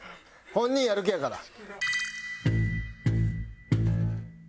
本人やる気やから。